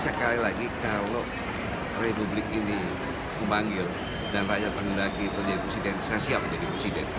sekali lagi kalau republik ini memanggil dan rakyat menundaki itu jadi presiden saya siap jadi presiden